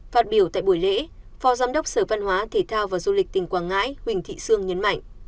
phát biểu tại buổi lễ phó giám đốc sở văn hóa thể thao và du lịch tỉnh quảng ngãi huỳnh thị sương nhấn mạnh